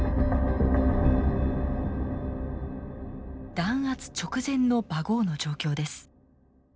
弾圧直前のバゴーの状況です。